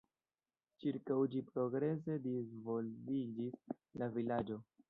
Ĉirkaŭ ĝi progrese disvolviĝis la vilaĝo.